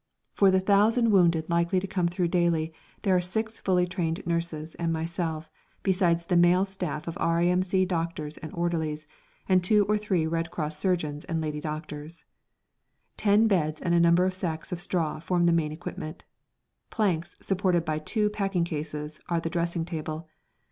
For the thousand wounded likely to come through daily there are six fully trained nurses and myself, besides the male staff of R.A.M.C. doctors and orderlies, and two or three Red Cross surgeons and lady doctors. Ten beds and a number of sacks of straw form the main equipment. Planks, supported by two packing cases, are the dressing table.